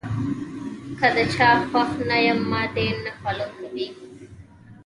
کۀ د چا خوښ نۀ يم ما دې نۀ فالو کوي -